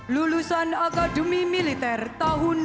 lulusan akademi militer tahun dua ribu